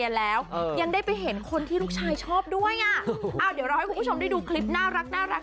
ยังได้ไปเห็นคนที่ลูกชายชอบด้วยอ่ะอ้าวเดี๋ยวเราให้คุณผู้ชมได้ดูคลิปน่ารัก